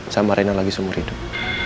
sama renal lagi seumur hidup